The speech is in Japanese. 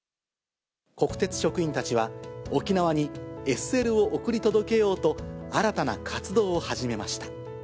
国鉄職員たちは、沖縄にＳＬを贈り届けようと、新たな活動を始めました。